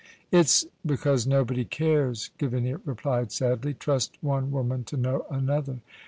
"It's because nobody cares," Gavinia replied sadly. Trust one woman to know another!